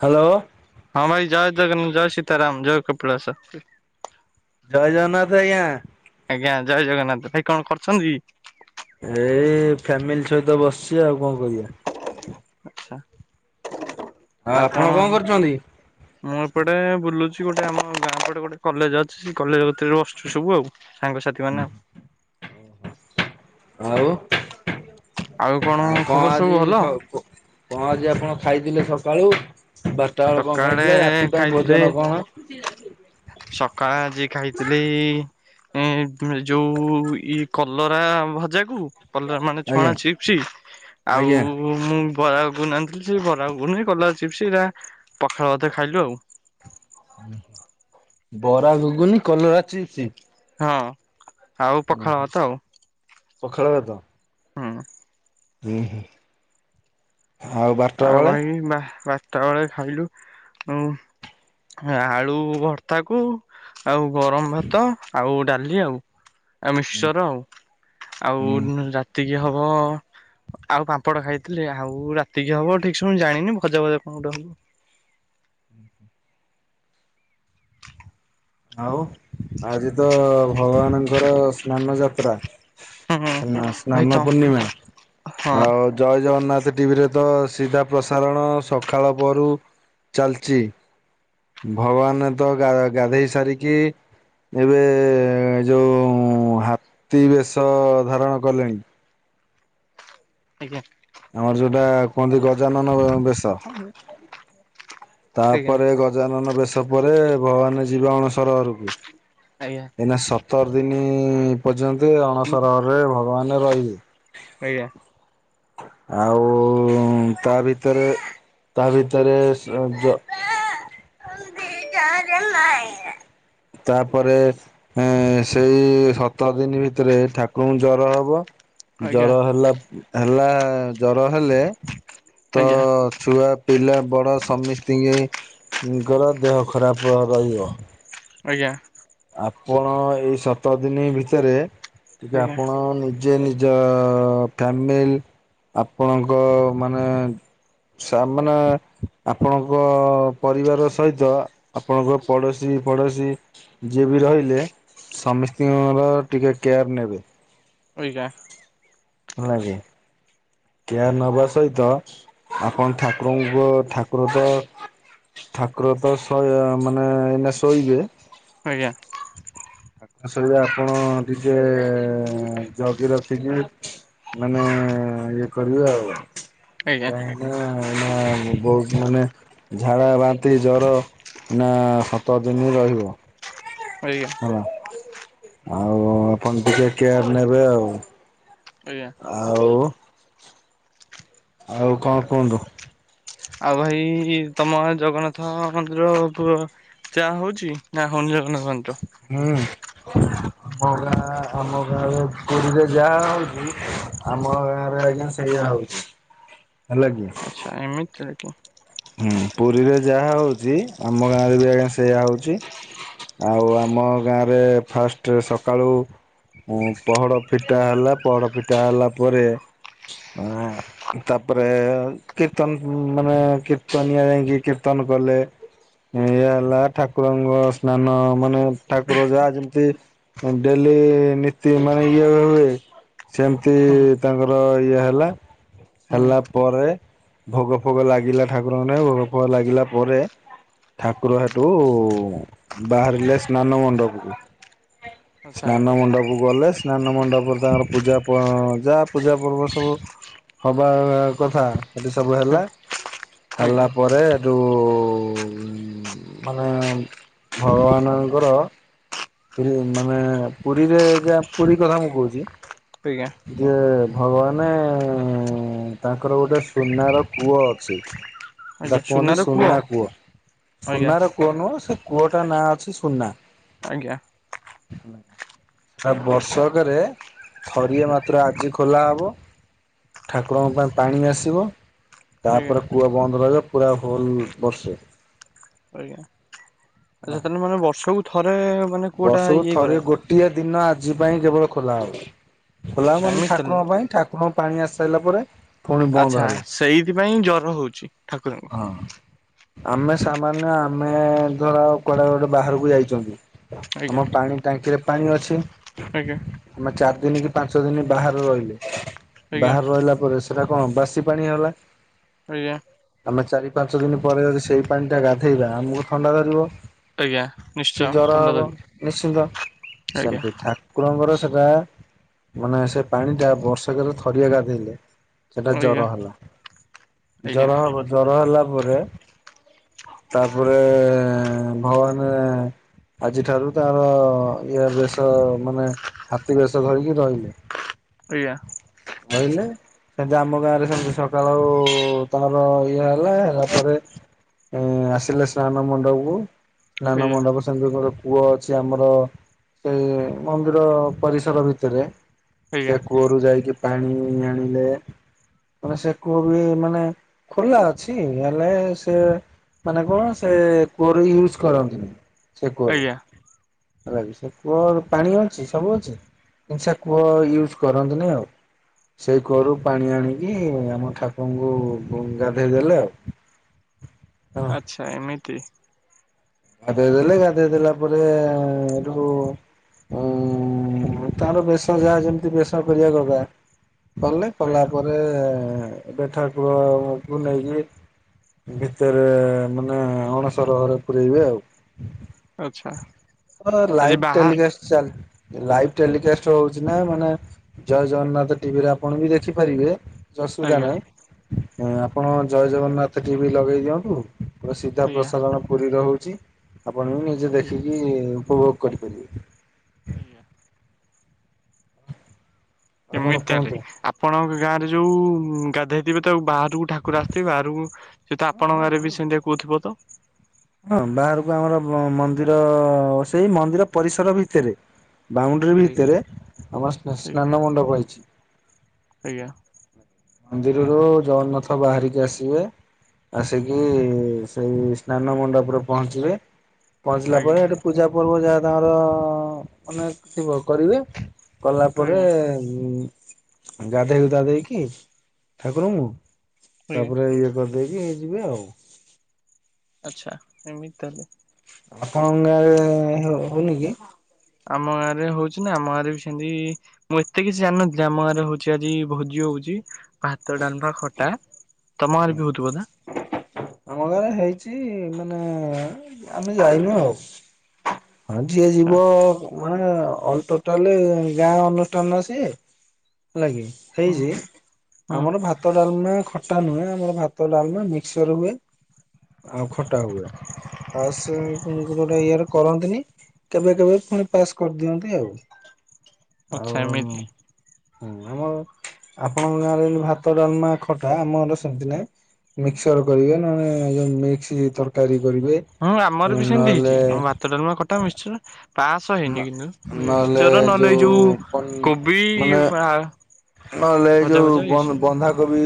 Hello. ହଁ ଭାଇ ଜୟ ଜଗନ୍ନାଥ ଜୟ ସୀତାରାମ ଜୟ କପିଳାସ। ଜୟ ଜଗନ୍ନାଥ ଆଜ୍ଞା। ଆଜ୍ଞା ଜୟ ଜଗନ୍ନାଥ ଭାଇ କଣ କରୁଛନ୍ତି। ଏଇ ଫ୍ୟାମିଲି ସହିତ ବସିଛି ଆଉ କଣ କରିବା। ଆଛା ଆଉ କଣ। ମୁଁ ଏପଟେ ବୁଲୁଛି ଗୋଟେ ଆମ ଗାଁ ପଟେ ଗୋଟେ କଲେଜ ଅଛି ସେ କଲେଜ କତିରେ ବସିଛି ସବୁ ଆଉ। ସାଙ୍ଗସାଥି ମାନେ ଆଉ। ଆଉ ଆଉ କଣ ଖବର ସବୁ ଆଜି ଭଲ ସ ପୋ କଣ ଆଜି ଆପଣ ଖାଇଥିଲେ ସକାଳୁ ବାରଟା ବେଳ କଣ ସକାଳେ ଖାଇଥିଲେ ରାତି ପାଇଁ ଭୋଜନ କଣ? [inaudible] ସକାଳ ଆଜି ଖାଇଥିଲି ଏ ଯୋଉ ଇ କଲରା ଭଜାକୁୁ କଲରା ମାନେ ଆଜ୍ଞା ଛଣା ଚିପ୍ସ ଆଉ ଆଜ୍ଞା ମୁଁ ବରା ଗୁନି ଆଣିଥିଲି ସେ ବରା ଗୁଗୁନି କଲରା ଚିପ୍ସ ଏରା ପଖାଳ ଭାତରେ ଖାଇଲୁ ଆଉ। ବରା ଘୁଗୁନି କଲରା ଚିପ୍ସ। ହଁ। ଆଉ ମ ପଖାଳ ହଁ ଭାତ ଆଉ। ପଖାଳ ଭାତ। ହଁ। ହୁଁ ହୁଁ। ବାରଟା ଆଉ ବେଳେ ଭାଇ ବା ବାର ଟା ବେଳେ ଖାଇଲୁ ଆଳୁ ଭର୍ତାକୁ ଆଉ ଗରମ ଭାତ ଆଉ ଡାଲି ଆଉ ଆଉ ମିକ୍ସର ଆଉ। ଆଉ ହୁଁ ରାତି କି ହବ ଆଉ ପାମ୍ପଡ଼ ଖାଇଥିଲି ଆଉ ରା ଟିକ ହବ ଠିକ ସେ ମୁଁ ଜାଣିନି ଭଜା ଫଜା କଣ ଗୋଟେ ହବ। ଆଉ। ଆଜି ତ ଭଗବାନଙ୍କର ସ୍ ସ୍ନାନ ଯାତ୍ରା ହବ। ହୁଁ ସ୍ନା ଭାଇ ତ ସ୍ନାନ ପୂର୍ଣ୍ଣିମା ହଁ ଆଉ ଜୟ ଜଗନ୍ନାଥ ଟିଭିରେ ତ ସିଧା ପ୍ରସାରଣ ସକାଳ ପ୍ରହରୁ ଚାଲିଚ ଭଗବାନ ତ ଗା ଗାଧେଇ ସାରିକି ଏବେ ଯୋଉ ହାତୀ ବେଶ ଧାରଣ କଲେଣି। ଆଜ୍ଞା। ଆମର ଯୋଉଟା କୁହନ୍ତି ଗଜାନନ ଅ ବେଶ। [unintelligible] ତାପରେ ଗଜାନନ ବେଶ ପରେ ଭଗବାନ ଯିବେ ଅଣସର ଘରକୁ। ଆଜ୍ଞା। ଏଇନା ସତରଦିନି ପର୍ଯ୍ୟନ୍ତେ ଅଣସରଘରେ ଭଗବାନେ ରହିବେ। ଆଜ୍ଞା। ଆଉ ଉଁ ତା ଭିତରେ ତା ଭିତରେ [unintelligible] [inaudible] [inaudible] ତାପରେ ଏଁ ସେଇ ସତର ଦିନି ଭିତରେ ଠାକୁରଙ୍କୁ ଜର ହବ- ଆଜ୍ଞା ଆଜ୍ଞା ଜର ହେଲା ହେଲା ଜର ହେଲେ ଆଜ୍ଞା ତ- ଛୁଆ ପିଲା ବଡ ସମିସ୍ତିଙ୍କି ଙ୍କର ଦେହ ଖରାପ ର ରହିବ। ଆଜ୍ଞା। ଆପଣ ଏଇ ସତର ଦିନି ଭିତରେ ଟିକେ ଆପଣ ନି- ଯେ ନିଜ ଫ୍ୟାମିଲ ଆପଣଙ୍କ ମାନେ- ସାମ୍ନା ଆପଣଙ୍କ ପରିବାର ସହିତ ଆପଣଙ୍କ ପଡ଼ୋଶୀ ପଡ଼ୋଶୀ- ଯିଏ ବି ରହିଲେ, ସମିସ୍ତଙ୍କର ଟିକେ କେୟାର୍ ନେବେ। ଏଇଗା ଲାଗି। କେୟାର ନବା ସହିତ ଆପଣ ଠାକୁରଙ୍କୁ ଠାକୁର ତ- ଠାକୁର ତ ଶହେ ମାନେ ଏଇନେ ଶୋଇବେ। ଆଜ୍ଞା,। ସେଇ ଆପଣ ଟିକେ ଜଗି ରଖିକି ମାନେ ଇଏ କରିବେ ଆଉ। ଆଜ୍ଞା କାହିଁକି ନା ଏଇନା ବହୁତ ମାନେ ଝାଡା, ବା- ବାନ୍ତି ଜର ନା ସାତ ଦିନି ରହିବ। ଆଜ୍ଞା। ହେଲା ଆପଣ ଟିକେ କେୟାର ନେବେ ଆଉ। ଆଜ୍ଞା। ଆଉ ଆଉ କଁ କୁହନ୍ତୁ? ଆଉ ଭାଇ ତମ ଗାଁ ଜଗନ୍ନାଥ ମନ୍ଦିରୁ ପ- ଚାହା ହଉଛି ନା ହଉନି ଜଗନ୍ନାଥ ମନ୍ଦିର। ହୁଁ ଆମ ଗାଁ ଆମ ଗାଁରେ ପୁରୀରେ- ଯାହା ହଉଛି ଆମ ଗାଁ ରେ ଆଜ୍ଞା ସେଇୟା ହଉଛି ହେଲା କି। ଆଚ୍ଛା ଏମିତି [unintelligible] ହୁଁ ପୁରୀରେ ଯାହା ହଉଛି ଆମ ଗାଁରେ ବି ଆଜ୍ଞା ସେଇଆା ହଉଛି। ଆଉ ଆମଗାଁ ରେ ଫାଷ୍ଟ ସକାଳୁ- ହୁ ପହଡ ଫିଟା ହେଲା ପହଡ ଫିଟା ହେଲା ପରେ- ଆ ତାପରେ କୀର୍ତ୍ତନ ମାନେ କୀର୍ତ- [inaudible] ଯାଇଁକି କୀର୍ତ୍ତନ କଲେ। ଏଇଆ ହେଲା ଠାକୁରଙ୍କ ସ୍ନାନ ମାନେ ଠାକୁର ଯାହା ଯେମତି ଡେଲି ନୀତି ମାନେ ଇଏ ହୁଏ। ସେମତି ହୁଁ ତାଙ୍କର ଇଏ ହେଲା। ହୁଁ ହେଲା ପରେ ଭୋଗ ଫୋଗ ଲାଗିଲା ଠାକୁରଙ୍କେ ନାଗି ଭୋଗ ଫୋଗ ଲାଗିଲା ପରେ ଠାକୁର ହେଟୁ ବାହାରିଲେ ସ୍ନାନ ମଣ୍ଡପକୁ। ଆଚ୍ଛା ସ୍ନାନ ମଣ୍ଡପକୁ ଗଲେ ସେ ସ୍ନାନ ମଣ୍ଡପରେ ତାଙ୍କର ପୂଜା ପ ଯା ପୂଜା ପର୍ବ ସବୁ ହବା କଥା ଏଠି ସବୁ ହେଲା। ହେଲା ଆଜ୍ଞା ପରେ ଏଠୁ- ମାନେ ଭଗବାନଙ୍କର ଇ ମାନେ ପୁରୀରେ ଯା ପୁରୀ କଥା ମୁଁ କହୁଛି। ପିଜ୍ଞା। ଯେ ଭଗବାନେ ତାଙ୍କର ଗୋଟେ ସୁନାର କୂଅ ଅଛି। ହ ଏଟା କୁହନ୍ତି ସୁନା କୂଅ ଆଜ୍ଞା ସୁନାର କୂଅ ନୁହଁ ସେ କୂଅଟା ନାଁ ଅଛି ସୁନା। ଆଜ୍ଞା। [inaudible] ବର୍ଷକରେ ଥରିଏ ମାତ୍ର ଆଜି ଖୋଲାହବ। ଠାକୁରଙ୍କ ପାଇଁ ପାଣି ଆସିବ ଆଜ୍ଞା ତାପରେ କୂଅ ବନ୍ଦ ରହିବ ପୁରା ହୋଲ ବର୍ଷେ। ଆଜ୍ଞା ହେଲା। ତା ମାମାନେ ବର୍ଷକୁ ଥରେ ମାନେ କୂଅଟା ବର୍ଷକୁ ଇଏ ଥରେ କରେ ଗୋ ଟିଏ ଦିନ ଆଜି ପାଇଁ କେବଳ ଖୋଲା ହବ ଖୋଲା ଆଚ୍ଛା ହବ ମାନେ ଏମିତି ତାହେଲେ ଠାକୁରଙ୍କ ପାଇଁ। ଠାକୁରଙ୍କ ପାଣି ଆସି ସାରିଲା ପରେ ପୁଣି ବନ୍ଦ ଆଚ୍ଛା ହେଲା ସେଇଥିପାଇଁ ଜର ହଉଛି ଠାକୁରଙ୍କୁ। ହଁ। ଆମେ ସାମାନ୍ୟ ଆମେ ଧର କୁଆଡେ ଗୋଟେ ବାହାରକୁ ଯାଇଚୁ। ଆଜ୍ଞା ଆମ ପାଣି ଟାଙ୍କିରେ ପାଣି ଅଛି। ଆଜ୍ଞା। ଆମେ ଚାରି ଦିନ କି ପାଞ୍ଚ ଦିନ ବାହାରେ ରହିଲୁ ଆଜ୍ଞା ବାହାରେ ରହିଲା ପରେ ସେ ସେଟା କଣ ବାସି ପାଣି ହେଲା। ଆଜ୍ଞା। ଆମେ ଚାରି ପାଞ୍ଚ ଦିନ ପରେ ଯଦି ସେଇ ପାଣିଟା ଗାଧେଇବା ଆମକୁ ଥଣ୍ଡା ଧରିବ। ଆଜ୍ଞା କି ନିଶ୍ଚୟ ଜର ଦଣ୍ଡ ହବ ଧରି ନିଶ୍ଚିନ୍ତ ଆଜ୍ଞା ସେମତି ଠା କୁରଙ୍କର ସେଟା ମାନେ ସେ ପାଣି ଟା ବର୍ଷକରେ ଥରିଏ ଗାଧେଇଲେ। ସେଟା ଆଜ୍ଞା ଜର ହେଲା ଆଜ୍ଞା ଜର ହବ ଜର ହେଲା ପରେ ତାପରେ ଭବାନେ ଆଜି ଠାରୁ ତାର ଇଏ ବେଶ ମାନେ ହାତୀ ବେଶ ଧରିକି ରହିନି। [unintelligible] କହିଲେ ସେମତି ଆମ ଗାଁ ରେ ସେମତି ସକାଳୁ ତମର ଖିଆ ହେଲା ହେଲା ପରେ ଏ ଆସିଲେ ସ୍ନାନ ମଣ୍ଡପକୁ ସ୍ନାନ ଆଜ୍ଞା ମଣ୍ଡପ ସେମତି ଗୋଟେ କୂଅ ଅଛି ଆମର ସେଇ ମନ୍ଦିର ପରିସର ଭିତରେ। ଆଜ୍ଞା ଆଜ୍ଞା ସେ କୂଅରୁ ଯାଇକି ପାଣି ଆଣିଲେ ମାନେ ସେ କୂଅ ବି ମାନେ ଖୋଲା ଅଛି ହେଲେ ସେ ମାନେ କଣ ସେ କୂଅର ୟୁଜ କରନ୍ତିନି ସେ କୂଅରେ। ଆଜ୍ଞା ହେଲାକି ସେ କୂଅର ପାଣି ଅଛି ସବୁ ଅଛି। କିନ୍ତୁ ସେ କୂଅ ୟୁଜ କରନ୍ତିନି ଆଉ। ସେଇ କୂଅରୁ ପାଣି ଆଣିକି ଆମ ଠାକୁରଙ୍କୁ ଗାଧେଇଦେଲେ ଆଉ। ହଁ ଆଚ୍ଛା ଏମିତି। ଗାଧୋଇ ଦେଲେ ଗାଧୋଇ ଦେଲା ପରେ, ଏଠୁ ଉଁ ତାର ବେଶ ଯାହା ଯେମିତି ବେଶ କରିବା କଥା କଲେ, କଲା ପରେ ଏବେ ଠାକୁରଙ୍କୁ ନେଇକି ଭିତେରେ ମାନେ ଅଣସର ଘରେ ପୂୁରଇବେ ଆଉ। ଆଚ୍ଛା। ହ ଆଜି ଲାଇଭ ବାହା ଟେଲିକାଷ୍ଟ ଚାଲ ଲାଇଭ ଟେଲିକାଷ୍ଟ ହଉଛି ନା ମାନେ ଜୟ ଜଗନ୍ନାଥ ଟିଭିରେ ଆପଣ ବି ଦେଖିପାରିବେ। କିଛି ଅସୁବିଧା ଆଜ୍ଞା ନାହିଁ, ଆପଣ ଜୟ ଜଗନ୍ନାଥ ଟିଭି ଲଗେଇ ଦିଅନ୍ତୁ ପୁରା ସିଧା ଆଜ୍ଞା ପ୍ରସାରଣ ପୁରୀର ହଉଛି, ଆପଣ ବି ନିଜେ ଆଜ୍ଞା ଦେଖିକି ଉପଭୋଗ କରିପାରିବେ। ଆଜ୍ଞା। ଆଉ କଣ ଏମିତି ତାହେଲେ କୁହନ୍ତୁ? ଆପଣଙ୍କ ଗାଁରେ ଯୋଉ ଗାଧେଇଥିବେ, ତାକୁ ବା ହାରକୁ ଠାକୁର ଆସିଥିବେ ବାହାରକୁ, ସେ ତ ଆପଣଙ୍କ ଆଗରେ ବି ସେମିତିଆ କହୁଥିବ ତ? ହଁ ବାହାରକୁ ଆମର ମନ୍ଦିର, ସେଇ ମନ୍ଦିର ପରିସର ଭିତରେ ବାଉଣ୍ଡରି ଆଜ୍ଞା ଭିତରେ ଆମର ସ୍ନା ଆଜ୍ଞା ସ୍ନାନ ମଣ୍ଡପ ହେଇଛି। ଆଜ୍ଞା। ମନ୍ଦିରରୁ ଜଗନ୍ନାଥ ବାହାରିକି ଆସିବେ ଆସିକି ସେଇ ସ୍ନାନ ମଣ୍ଡପରେ ପହଞ୍ଚିବେ ପହଞ୍ଚିଲା ଆଜ୍ଞା। ପରେ ଏଠି ପୂଜା ପର୍ବ ଯାହା ତାଙ୍କର ମାନେ ଥିବ କରିବେ। କଲା ପରେ ଆଜ୍ଞା ଉ ଗାଧୋଇ ଗୁଧା ଦେଇକି ଠାକୁରଙ୍କୁ, ଆଜ୍ଞା ତାପରେ ଇଏ କରିଦେଇକି ଯିବେ ଆଉ। ଆଚ୍ଛା ଏମିତି ତାହେଲେ। ଆପଣଙ୍କ ଗାଁରେ ହେଉ ହଉନି କି? ଆମ ଗାଁରେ ହଉଛି ନା ଆମ ଗାଁରେ ବି ସେମିତି ମୁଁ ଏତେ କିଛି ଜାଣିନଥିଲି, ଆମ ଗାଁରେ ହଉଛି ଆଜି ଭୋଜି ହଉଛି ଭାତ, ଡାଲମା, ଖଟା। ତମ ଗାଁରେ ବି ହଉ ଥିବ ନା? ଆମ ଗାଁରେ ହେଇଛି ମାନେ ଆମେ ଯାଇନୁ ଆଉ। ହଁ ଯିଏ ଆଚ୍ଛା ଯିବ ମାନେ ଟୋଟାଲି ଗାଁ ଅନୁଷ୍ଠାନ ସେ ହେଲାକି ହଁ ହେଇଛି ହଁ ଆମର ଭାତ, ଡାଲମା, ଖ [unintelligible] ଭାତ, ଡାଲମା, ମିକ୍ସର ହୁଏ ଆଉ ଖଟା ହୁଏ। ଆଉ ସେ ଗୋଟେ ଇଏରେ କରନ୍ତିନି। କେବେ କେବେ ପୁଣି ପାସ୍ କରିଦିଅନ୍ତି ଆଉ। ଆଚ୍ଛା ଏମିତି ଆଉ ହଁ ଆପଣଙ୍କ ଗାଁରେ ଭାତ, ଡାଲମା, ଖଟା ଆମର ସେମତି ନାଇଁ ମିକ୍ସର କରିବେ, ନହେଲେ ମିକ୍ସ ତରକାରୀ କରିବେ। ହୁଁ ଆମର ବି ସେମିତି ହେଇଛି ନହେଲେ ଆମ ଭାତ, ଡ଼ାଲମା, ଖଟା, ମିଶ୍ଚର। ପାସ ହେଇନି କିନ୍ତୁ ନହେଲେ ମିଶ୍ଚର ନହେଲେ ଏ ଯୋଉ ପନ୍ କୋବି ମାନେ ଆ ନହେଲେ ଏ ଯୋଉ ବ ବନ୍ଧାକୋବି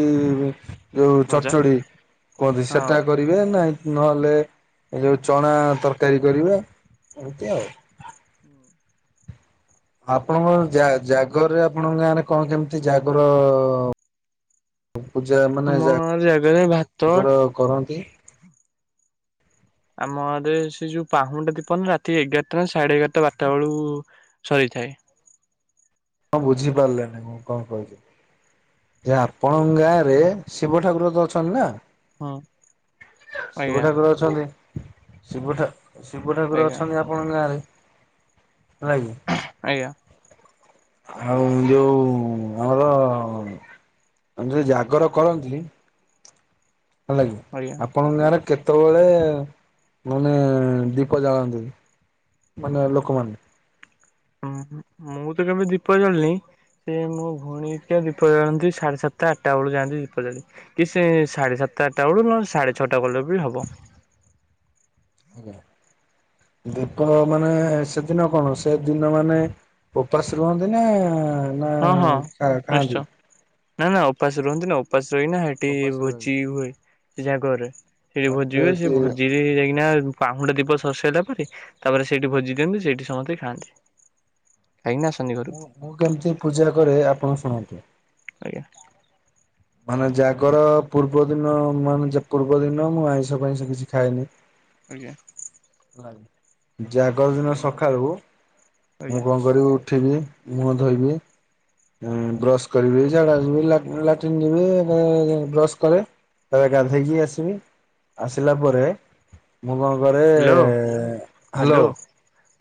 ଯୋଉ ଭଜା ଚଡଚଡି କୁହନ୍ତି ହଁ ସେଟା କରି ବେ ନାଇଁ ନହେଲେ ଏ ଯୋଉ ଚଣା ତରକାରୀ କରିବେ ଏମିତି ଆଉ। ହୁଁ ଆପଣଙ୍କ ଜାଗରରେ ଆପଣଙ୍କ ଗାଁରେ କଣ କେମିତି ଜାଗର ର ପୂଜା ନା ଆମ ଗାଁ ଜାଗରରେ ଭା ଆମର କରନ୍ତି। ଆମ ଏ ସେ ଯୋଉ ପାହୁଣଟା ଦୀପନ ରାତି ଏଗାରଟା ନା ସାଢେ ଏଗାରଟା ବାରଟା ବେଳୁ ସରିଥାଏ। ହଁ ବୁଝିପାରିଲେନି ମୁଁ କଣ କହୁଛିି। ଯେ ଆପଣଙ୍କ ଗାଁ ରେ ଶିବ ଠାକୁର ତ ଅଛନ୍ତି ନା? ହଁ ଶିବ ଆଜ୍ଞା ଠାକୁର ଅଛନ୍ତି ଶିବା ଶିବ ଠାକୁର ଆଜ୍ଞା ଅଛନ୍ତି ଆ ଆପଣଙ୍କ ଗାଁ ରେ ହେଲାକି। ଆଜ୍ଞା। ଆଉ ଯୋଉ ଆମର ଯ ଜାଗର କରନ୍ତି। ହେଲାକି। ଆଜ୍ଞା। ଆପଣଙ୍କ ଗାଁରେ କେତେବେଳେ ମାନେ ଦୀପ ଜାଳନ୍ତି? ମାନେ ଲୋକମାନେ। ଉଁ ମୁଁ ତ କେବେ ଦୀପ ଯାଳିନି। ସେ ମୋ ଭଉଣୀକା ଦୀପ ଜାଳନ୍ତି ସାଢ଼େ ସାତଟା ଆଠଟା ବେଳକୁ ଯାଆନ୍ତି ଦୀପ ଜାଳି। କି ସେ ସାଢ଼େ ସାତଟା ଆଟା ବେଳକୁ ନହେଲେ ସାଢ଼େ ଛଅଟା ବେଳ କୁ ବି ହବ। ଆଜ୍ଞା ଦୀପ ମାନେ ସେଦିନ କଣ ସେଦିନ ମାନେ ଉପାସ ରୁହନ୍ତି ନା ନା ହଁ ହଁ ନିଶ୍ଚୟ ଖାଆନ୍ତି? ନା ନା ଉପାସ ରୁହନ୍ତି ନା ଉପାସ ରହିନା ନା ହେଇ ଗୋଟେ ଉପାସ ରୁହନ୍ତି ଭୋଜି ହୁଏ ସେ ଯାକରେ ସେଠି ତାପରେ ଭୋଜି ହୁଏ ସେ ଯଦି ଭୋଜିରେ ଯାଇକିନା। ପାହୁଣ୍ଡ ଦୀପ ସରିସାରିଲା ପରେ ତାପରେ ସେଇଠି ଭୋଜି ଦିଅନ୍ତି ସେଇଠି ସମସ୍ତେ ଖାଆନ୍ତି। [inaudible] ମୁଁ କେମିତି ପୂଜା କରେ ଆପଣ ଶୁଣନ୍ତୁ? ଆଜ୍ଞା। ମାନେ ଜାଗର ପୂର୍ବ ଦିନ ମାନେ ପୂର୍ବ ଦିନ ମୁଁ ଆଇଁଷ ଆଇଁସ କିଛି ଖାଏନି। ଆଜ୍ଞା। ଜାଗର ଦିନ ସକାଳୁ ମୁଁ ଆଜ୍ଞା। କଣ କରିବି ଉଠିବି। ମୁହଁ ଧୋଇବି ବ୍ରଶ କରିବି ଝାଡାଯିବି ଲାଟିନ ବାଥରୁମ। ବ୍ରଶ କରେ ତାପରେ ଗାଧେଇକି ଆସିମି। ଆସିଲା ପରେ ମୁଁ କଣ କରେ ହ୍ୟାଲୋ ହ୍ୟାଲୋ। ହ୍ୟାଲୋ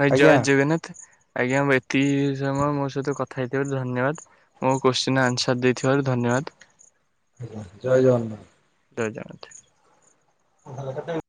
ଭାଇ ଆଜ୍ଞା ଜୟ ଜଗନ୍ନାଥ ଆଜ୍ଞା। ଅତି ସମୟ ମୋ ସହିତ କଥା ହେଇଥିବାରୁ ଧନ୍ୟବାଦ ମୋ କୋଶ୍ଚି ଆନ୍ସର୍ ଦେଇଥିବାରୁ ଧନ୍ୟବାଦ। ଜୟ ଜଗନ୍ନାଥ। [inaudible] ଭଲ କଥା ଆଉ